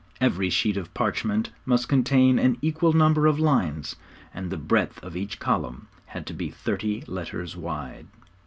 Every sheet of parchment must contain an equal number of lines, and the breadth of each column had to be thirty letters wide.